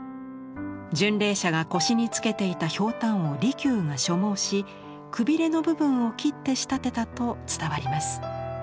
巡礼者が腰につけていたひょうたんを利休が所望しくびれの部分を切って仕立てたと伝わります。